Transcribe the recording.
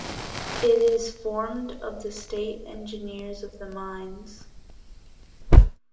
It is formed of the "State Engineers of the Mines".